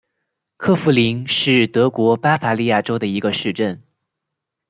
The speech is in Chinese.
克弗灵是德国巴伐利亚州的一个市镇。